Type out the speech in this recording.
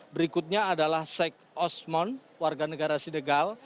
berikutnya adalah sek osmond warga negara sidegal